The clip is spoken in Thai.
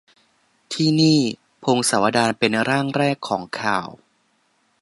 ที่นี่ : พงศาวดารเป็นร่างแรกของข่าว